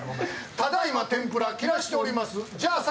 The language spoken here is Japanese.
ただいま天ぷら切らしております。